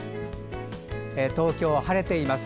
東京、晴れています。